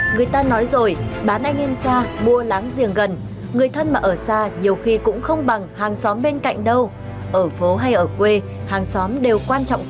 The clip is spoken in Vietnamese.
người ta nói rồi bán anh em ra mua láng giềng gần người thân mà ở xa nhiều khi cũng không bằng hàng xóm bên cạnh đâu ở phố hay ở quê hàng xóm đều quan trọng cả